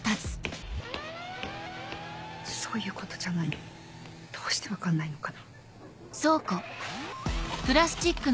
そういうことじゃないのどうして分かんないのかな。